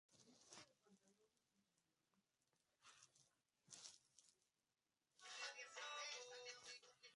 El equipo paralímpico yemení no obtuvo ninguna medalla en estos Juegos.